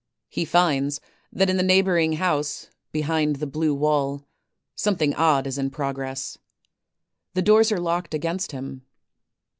He finds that in the neighboring house, behind the blue wall, something odd is in progress — the doors are locked against him.